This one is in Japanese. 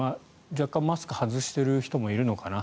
若干、マスクを外している人もいるのかな。